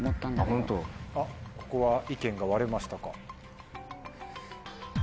ここは意見が割れましたか。